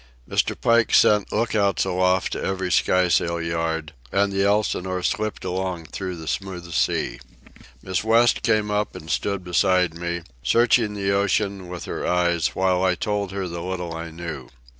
Mr. Pike sent look outs aloft to every skysail yard, and the Elsinore slipped along through the smooth sea. Miss West came up and stood beside me, searching the ocean with her eyes while I told her the little I knew.